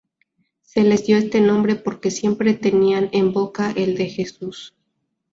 Se les dio este nombre porque siempre tenían en boca el de Jesús.